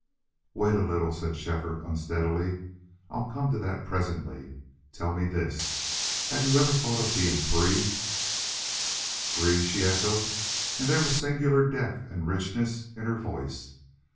"Wait a little," said Shefford, unsteadily. "I'll come to that presently. Tell me this have you ever thought of being free?" "Free!" she echoed, and there was singular depth and richness in her voice.